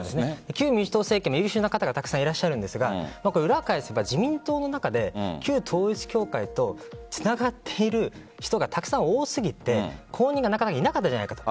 旧民主党は優秀な方がたくさんいらっしゃるんですが裏を返せば自民党の中で旧統一教会とつながっている人がたくさん多すぎて後任がいなかったんじゃないかと。